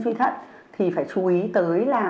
suy thận thì phải chú ý tới là